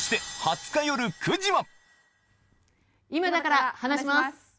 今だから話します！